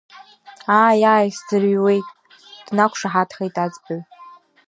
Ааи, ааи, сӡырҩуеит, днақәшаҳаҭхеит аӡбаҩ.